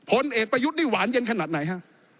ผลเอกประยุทธ์นี่หวานเย็นขนาดไหนฮะ